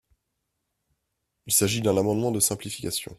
Il s’agit d’un amendement de simplification.